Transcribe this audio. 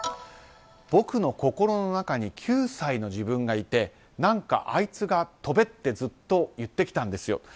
僕の心の中に９歳の自分がいて何かあいつが跳べってずっと言ってきたんですよ。